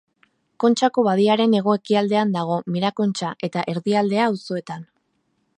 Kontxako badiaren hego-ekialdean dago, Mirakontxa eta Erdialdea auzoetan.